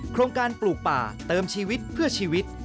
โครงการปลูกป่าเติมชีวิตเพื่อชีวิต